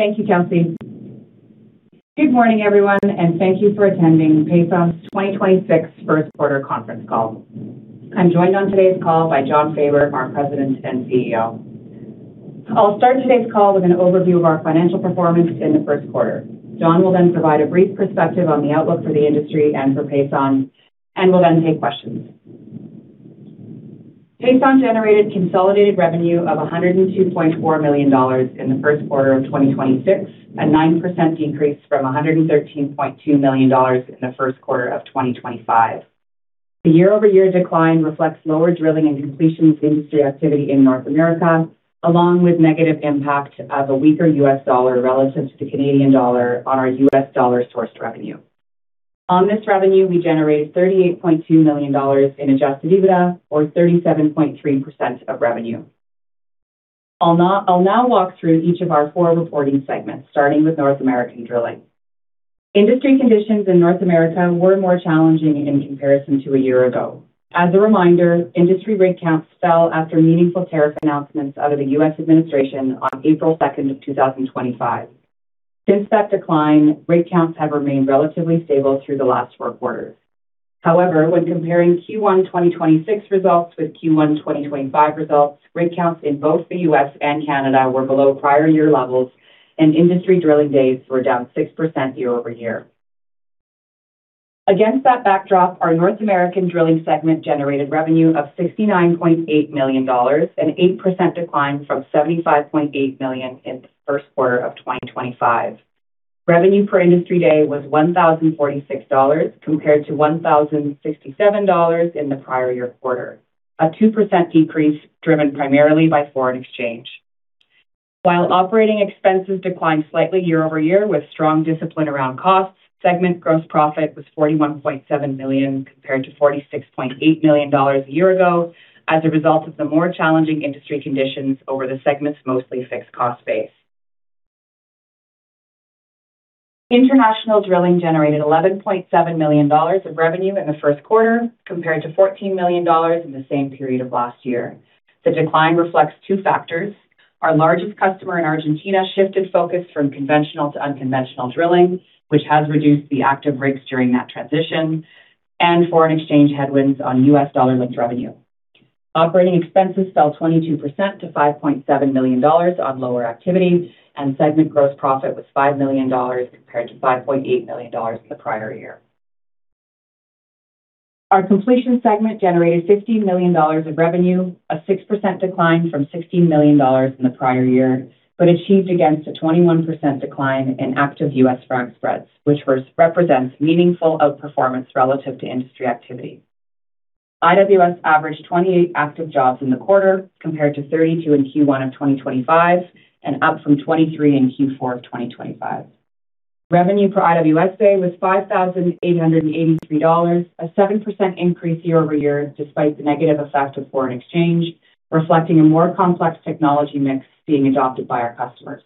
Thank you, Kelsey. Good morning, everyone. Thank you for attending Pason's 2026 first quarter conference call. I'm joined on today's call by Jon Faber, our President and CEO. I'll start today's call with an overview of our financial performance in the first quarter. Jon will then provide a brief perspective on the outlook for the industry and for Pason. We'll then take questions. Pason generated consolidated revenue of 102.4 million dollars in the first quarter of 2026, a 9% decrease from 113.2 million dollars in the first quarter of 2025. The year-over-year decline reflects lower drilling and completions industry activity in North America, along with negative impact of a weaker U.S. dollar relative to the Canadian dollar on our U.S. dollar source revenue. On this revenue, we generated 38.2 million dollars in adjusted EBITDA, or 37.3% of revenue. I'll now walk through each of our four reporting segments, starting with North American Drilling. Industry conditions in North America were more challenging in comparison to a year ago. As a reminder, industry rig counts fell after meaningful tariff announcements out of the U.S. administration on April 2, 2025. Since that decline, rig counts have remained relatively stable through the last four quarters. However, when comparing Q1 2026 results with Q1 2025 results, rig counts in both the U.S. and Canada were below prior year levels, and industry drilling days were down 6% year-over-year. Against that backdrop, our North American Drilling segment generated revenue of 69.8 million dollars, an 8% decline from 75.8 million in the first quarter of 2025. Revenue per Industry Day was 1,046 dollars compared to 1,067 dollars in the prior year quarter. A 2% decrease driven primarily by foreign exchange. While operating expenses declined slightly year-over-year with strong discipline around cost, segment gross profit was 41.7 million compared to 46.8 million dollars a year ago as a result of the more challenging industry conditions over the segment's mostly fixed cost base. International Drilling generated 11.7 million dollars of revenue in the first quarter, compared to 14 million dollars in the same period of last year. The decline reflects two factors. Our largest customer in Argentina shifted focus from conventional to unconventional drilling, which has reduced the active rigs during that transition and foreign exchange headwinds on U.S. dollar-linked revenue. Operating expenses fell 22% to 5.7 million dollars on lower activity. Segment gross profit was 5 million dollars compared to 5.8 million dollars the prior year. Our completion segment generated 15 million dollars of revenue, a 6% decline from 16 million dollars in the prior year. Achieved against a 21% decline in active U.S. frac spreads, which represents meaningful outperformance relative to industry activity. IWS averaged 28 active jobs in the quarter compared to 32 in Q1 of 2025 and up from 23 in Q4 of 2025. Revenue per IWS day was 5,883 dollars, a 7% increase year-over-year despite the negative effect of foreign exchange, reflecting a more complex technology mix being adopted by our customers.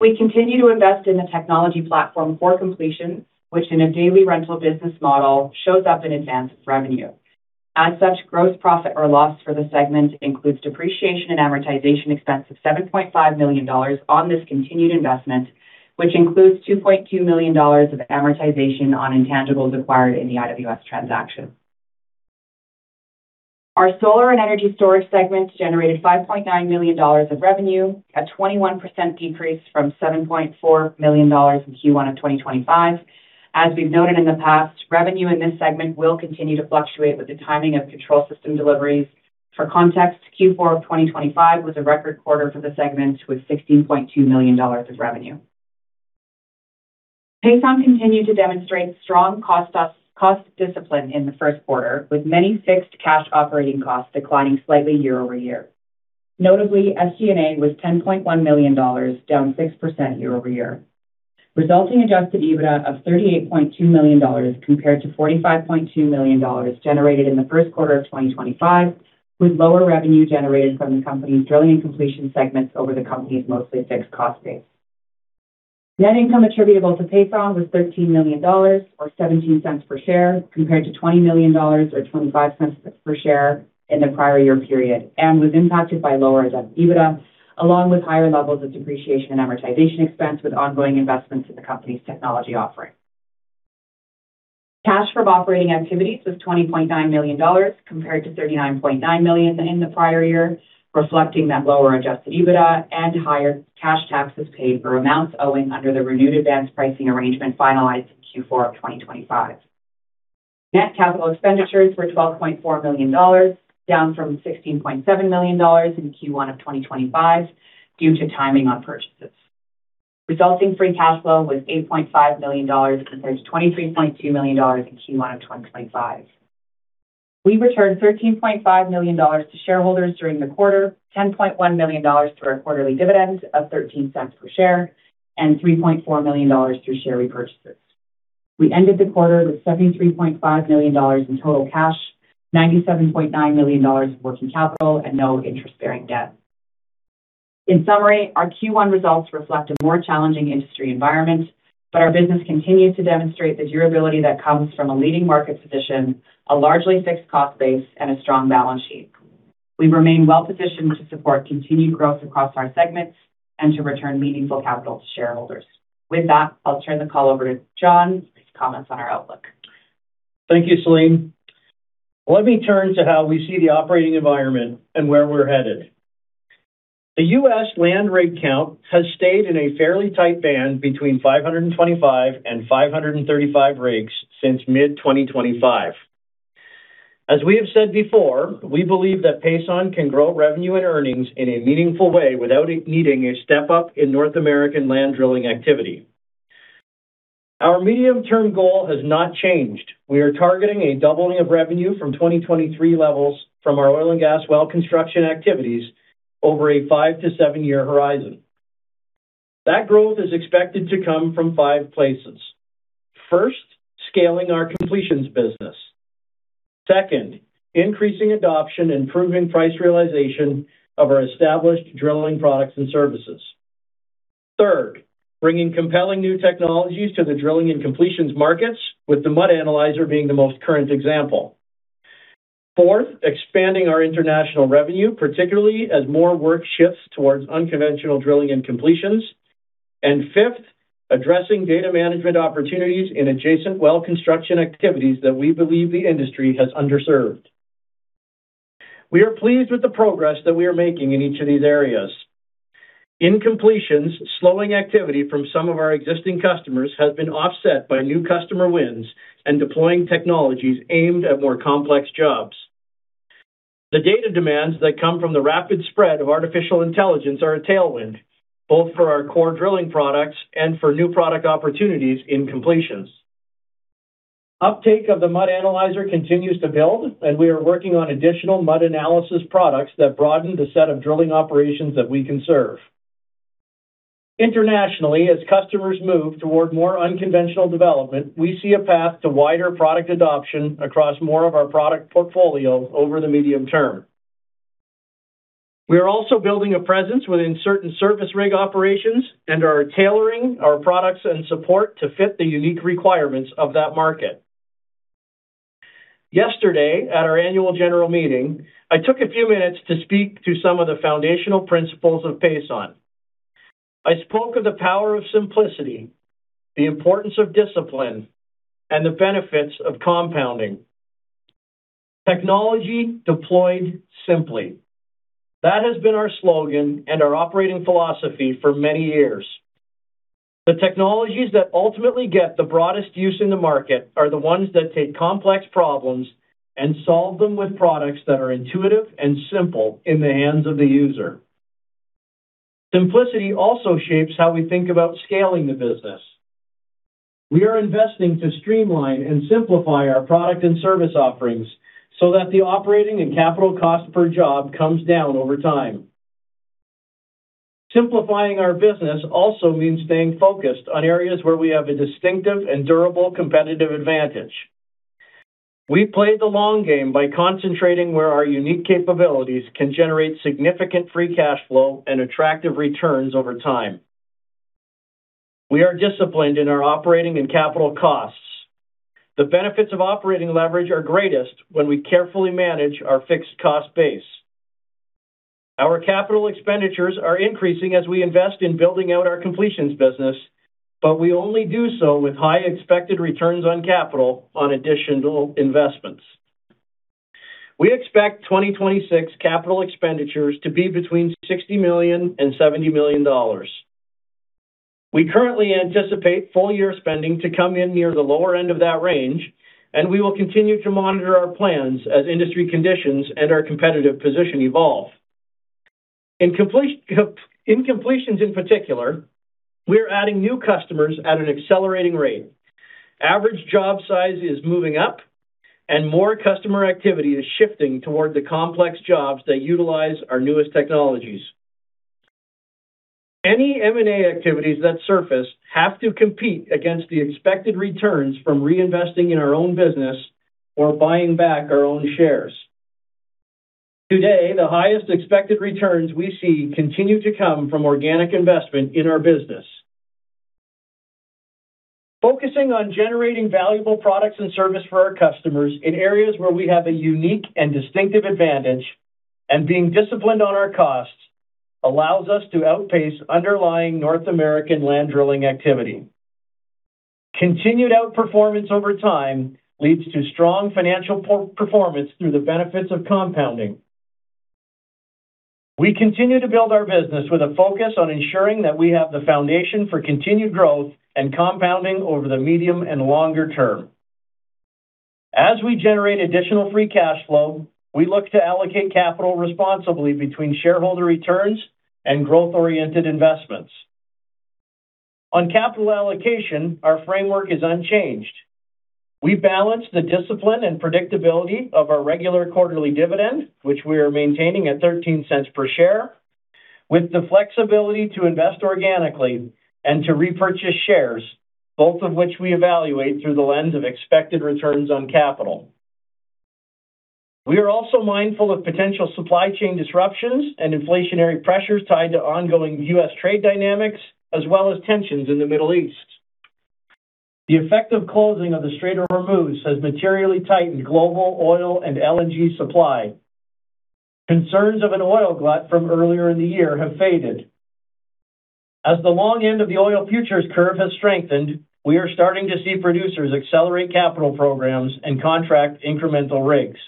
We continue to invest in the technology platform for completion, which, in a daily rental business model, shows up in advance of revenue. As such, gross profit or loss for the segment includes depreciation and amortization expense of 7.5 million dollars on this continued investment, which includes 2.2 million dollars of amortization on intangibles acquired in the IWS transaction. Our Solar and Energy Storage segment generated 5.9 million dollars of revenue, a 21% decrease from 7.4 million dollars in Q1 of 2025. As we've noted in the past, revenue in this segment will continue to fluctuate with the timing of control system deliveries. For context, Q4 of 2025 was a record quarter for the segment with 16.2 million dollars of revenue. Pason continued to demonstrate strong cost discipline in the first quarter, with many fixed cash operating costs declining slightly year-over-year. Notably, SG&A was 10.1 million dollars, down 6% year-over-year, resulting adjusted EBITDA of 38.2 million dollars compared to 45.2 million dollars generated in the first quarter of 2025, with lower revenue generated from the company's drilling and completions segments over the company's mostly fixed cost base. Net income attributable to Pason was 13 million dollars, or 0.17 per share, compared to 20 million dollars or 0.25 per share in the prior year period and was impacted by lower adjusted EBITDA, along with higher levels of depreciation and amortization expense with ongoing investments in the company's technology offering. Cash from operating activities was 20.9 million dollars compared to 39.9 million in the prior year, reflecting that lower adjusted EBITDA and higher cash taxes paid for amounts owing under the renewed advanced pricing arrangement finalized in Q4 of 2025. Net capital expenditures were 12.4 million dollars, down from 16.7 million dollars in Q1 of 2025 due to timing on purchases. Resulting free cash flow was 8.5 million dollars compared to 23.2 million dollars in Q1 of 2025. We returned 13.5 million dollars to shareholders during the quarter, 10.1 million dollars to our quarterly dividends of 0.13 per share and 3.4 million dollars through share repurchases. We ended the quarter with 73.5 million dollars in total cash, 97.9 million dollars in working capital, and no interest-bearing debt. In summary, our Q1 results reflect a more challenging industry environment. Our business continues to demonstrate the durability that comes from a leading market position, a largely fixed cost base, and a strong balance sheet. We remain well-positioned to support continued growth across our segments and to return meaningful capital to shareholders. With that, I'll turn the call over to Jon for his comments on our outlook. Thank you, Celine. Let me turn to how we see the operating environment and where we're headed. The U.S. land rig count has stayed in a fairly tight band between 525 and 535 rigs since mid-2025. As we have said before, we believe that Pason can grow revenue and earnings in a meaningful way without needing a step up in North American land drilling activity. Our medium-term goal has not changed. We are targeting a doubling of revenue from 2023 levels from our oil and gas well construction activities over a five to seven-year horizon. That growth is expected to come from five places. First, scaling our completions business. Second, increasing adoption, improving price realization of our established drilling products and services. Third, bringing compelling new technologies to the drilling and completions markets, with the Mud Analyzer being the most current example. Fourth, expanding our international revenue, particularly as more work shifts towards unconventional drilling and completions. Fifth, addressing data management opportunities in adjacent well construction activities that we believe the industry has underserved. We are pleased with the progress that we are making in each of these areas. In completions, slowing activity from some of our existing customers has been offset by new customer wins and deploying technologies aimed at more complex jobs. The data demands that come from the rapid spread of artificial intelligence are a tailwind, both for our core drilling products and for new product opportunities in completions. Uptake of the Mud Analyzer continues to build, and we are working on additional mud analysis products that broaden the set of drilling operations that we can serve. Internationally, as customers move toward more unconventional development, we see a path to wider product adoption across more of our product portfolio over the medium term. We are also building a presence within certain service rig operations and are tailoring our products and support to fit the unique requirements of that market. Yesterday, at our annual general meeting, I took a few minutes to speak to some of the foundational principles of Pason. I spoke of the power of simplicity, the importance of discipline, and the benefits of compounding. Technology deployed simply. That has been our slogan and our operating philosophy for many years. The technologies that ultimately get the broadest use in the market are the ones that take complex problems and solve them with products that are intuitive and simple in the hands of the user. Simplicity also shapes how we think about scaling the business. We are investing to streamline and simplify our product and service offerings so that the operating and capital cost per job comes down over time. Simplifying our business also means staying focused on areas where we have a distinctive and durable competitive advantage. We play the long game by concentrating where our unique capabilities can generate significant free cash flow and attractive returns over time. We are disciplined in our operating and capital costs. The benefits of operating leverage are greatest when we carefully manage our fixed cost base. Our capital expenditures are increasing as we invest in building out our completions business, but we only do so with high expected returns on capital on additional investments. We expect 2026 capital expenditures to be between 60 million and 70 million dollars. We currently anticipate full-year spending to come in near the lower end of that range, and we will continue to monitor our plans as industry conditions and our competitive position evolve. In completions in particular, we are adding new customers at an accelerating rate. Average job size is moving up, and more customer activity is shifting toward the complex jobs that utilize our newest technologies. Any M&A activities that surface have to compete against the expected returns from reinvesting in our own business or buying back our own shares. Today, the highest expected returns we see continue to come from organic investment in our business. Focusing on generating valuable products and service for our customers in areas where we have a unique and distinctive advantage and being disciplined on our costs allows us to outpace underlying North American land drilling activity. Continued outperformance over time leads to strong financial performance through the benefits of compounding. We continue to build our business with a focus on ensuring that we have the foundation for continued growth and compounding over the medium and longer term. As we generate additional free cash flow, we look to allocate capital responsibly between shareholder returns and growth-oriented investments. On capital allocation, our framework is unchanged. We balance the discipline and predictability of our regular quarterly dividend, which we are maintaining at 0.13 per share, with the flexibility to invest organically and to repurchase shares, both of which we evaluate through the lens of expected returns on capital. We are also mindful of potential supply chain disruptions and inflationary pressures tied to ongoing U.S. trade dynamics as well as tensions in the Middle East. The effect of closing of the Strait of Hormuz has materially tightened global oil and LNG supply. Concerns of an oil glut from earlier in the year have faded. As the long end of the oil futures curve has strengthened, we are starting to see producers accelerate capital programs and contract incremental rigs.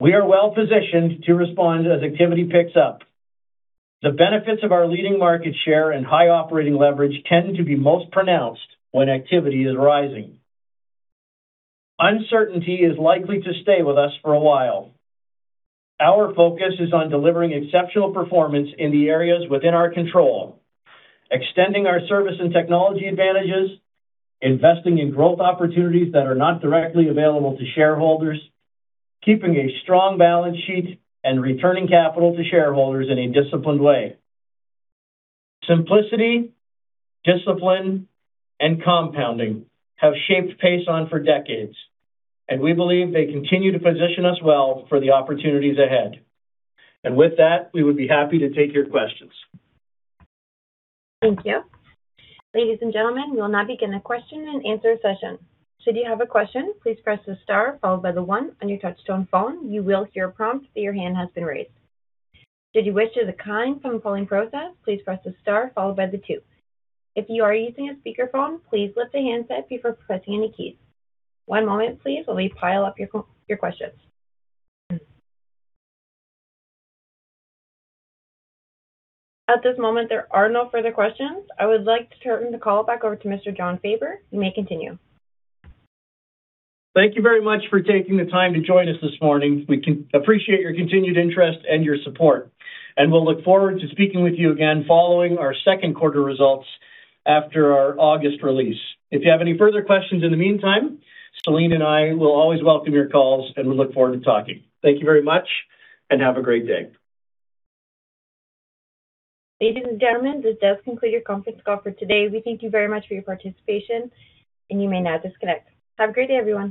We are well-positioned to respond as activity picks up. The benefits of our leading market share and high operating leverage tend to be most pronounced when activity is rising. Uncertainty is likely to stay with us for a while. Our focus is on delivering exceptional performance in the areas within our control, extending our service and technology advantages, investing in growth opportunities that are not directly available to shareholders, keeping a strong balance sheet, and returning capital to shareholders in a disciplined way. Simplicity, discipline, and compounding have shaped Pason for decades, and we believe they continue to position us well for the opportunities ahead. With that, we would be happy to take your questions. Thank you. Ladies and gentlemen, we will now begin the question-and-answer session. Should you have a question, please press the star followed by the one on your touchtone phone. You will hear a prompt that your hand has been raised. Should you wish to decline from the polling process, please press the star followed by the two. If you are using a speakerphone, please lift the handset before pressing any keys. One moment, please, while we pile up your questions. At this moment, there are no further questions. I would like to turn the call back over to Mr. Jon Faber. You may continue. Thank you very much for taking the time to join us this morning. We appreciate your continued interest and your support, and we'll look forward to speaking with you again following our second quarter results after our August release. If you have any further questions in the meantime, Celine and I will always welcome your calls, and we look forward to talking. Thank you very much, and have a great day. Ladies and gentlemen, this does conclude your conference call for today. We thank you very much for your participation, and you may now disconnect. Have a great day, everyone.